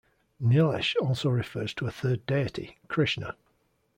Nilesh also refers to a third deity: Krishna.